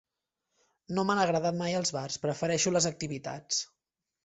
No m'han agradat mai els bars, prefereixo les activitats.